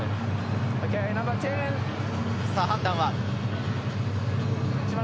判断は？